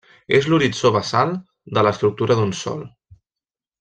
És l'horitzó basal de l'estructura d'un sòl.